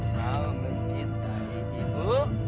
mau mencintai ibu